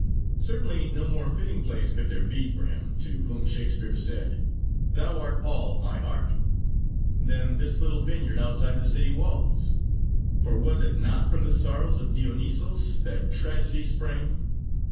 Certainly no more fitting place could there be for him to whom Shakespeare said, 'thou art all my art,' than this little vineyard outside the city walls. For was it not from the sorrows of Dionysos that Tragedy sprang?